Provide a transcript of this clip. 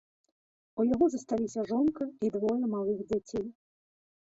У яго засталіся жонка і двое малых дзяцей.